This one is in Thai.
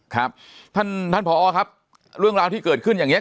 ครับท่านท่านพอครับเรื่องราวที่เกิดขึ้นอย่างนี้